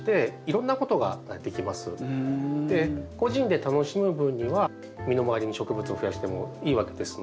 個人で楽しむ分には身の回りの植物を増やしてもいいわけですので。